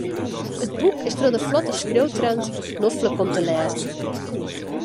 It boek is troch de flotte skriuwtrant noflik om te lêzen.